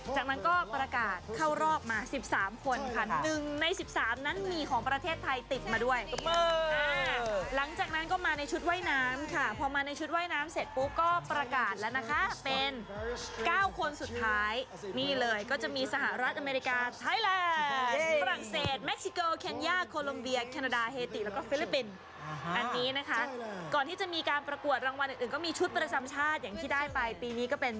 จากนั้นก็ประกาศเข้ารอบมา๑๓คนคันหนึ่งใน๑๓นั้นมีของประเทศไทยติดมาด้วยหลังจากนั้นก็มาในชุดว่ายน้ำค่ะพอมาในชุดว่ายน้ำเสร็จปุ๊กก็ประกาศแล้วนะคะเป็น๙คนสุดท้ายนี่เลยก็จะมีสหรัฐอเมริกาไทยแลนด์ฝรั่งเศสเม็กซิโกแคนยาโคลอมเวียแคนาดาเฮติแล้วก็ฟิลิปปินด์อันน